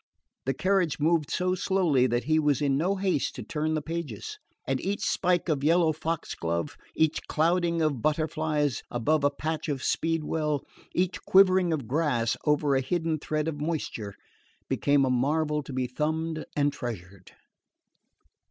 The carriage moved so slowly that he was in no haste to turn the pages; and each spike of yellow foxglove, each clouding of butterflies about a patch of speedwell, each quiver of grass over a hidden thread of moisture, became a marvel to be thumbed and treasured.